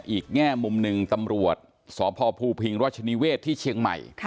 แง่มุมหนึ่งตำรวจสพภูพิงราชนิเวศที่เชียงใหม่